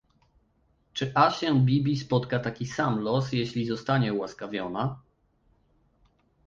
Czy Asię Bibi spotka taki sam los, jeśli zostanie ułaskawiona?